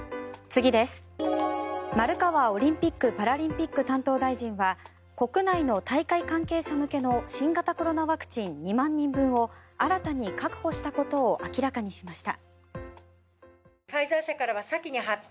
丸川オリンピック・パラリンピック担当大臣は国内の大会関係者向けの新型コロナワクチン２万人分を新たに確保したことを明らかにしました。